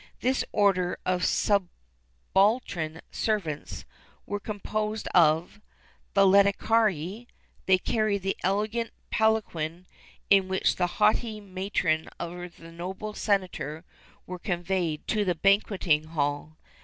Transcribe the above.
This order of subaltern servants were composed of: The lecticarii. They carried the elegant palanquin in which the haughty matron or the noble senator were conveyed to the banqueting hall.